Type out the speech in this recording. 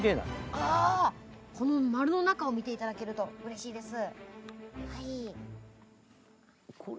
この丸の中を見ていただけるとうれしいです。